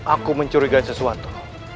aku mencurigai sesuatu